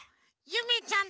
ゆめちゃん！「」「」「」「」